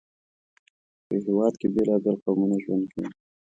په یو هېواد کې بېلابېل قومونه ژوند کوي.